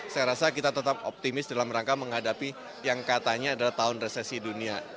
saya rasa kita tetap optimis dalam rangka menghadapi yang katanya adalah tahun resesi dunia